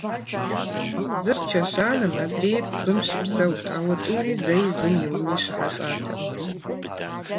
Зыр чэщанэм, адрейр бгым щыпсэурт, ауэ тӀури зэи зым и уни щыхьэщӀатэкъым.